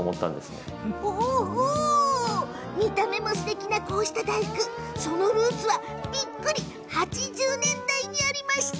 見た目もすてきなこうした大福そのルーツはびっくり８０年代にありました。